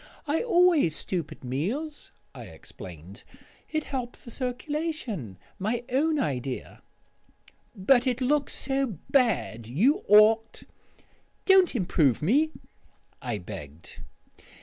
"I always stoop at meals," I explained; "it helps the circulation. My own idea." "But it looks so bad. You ought " "Don't improve me," I begged.